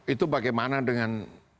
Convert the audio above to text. itu bagaimana dengan